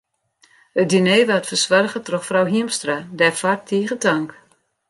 It diner waard fersoarge troch frou Hiemstra, dêrfoar tige tank.